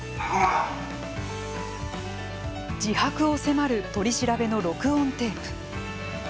自白を迫る取り調べの録音テープ。